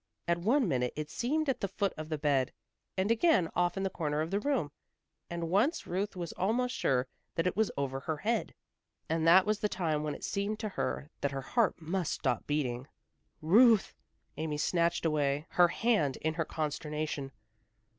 At one minute it seemed at the foot of the bed, and again off in the corner of the room, and once Ruth was almost sure that it was over her head. And that was the time when it seemed to her that her heart must stop beating. "Ruth!" Amy snatched away her hand in her consternation.